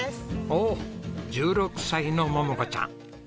おっ１６歳の萌々子ちゃん。